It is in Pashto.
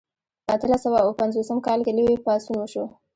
په اتلس سوه او اووه پنځوسم کال کې لوی پاڅون وشو.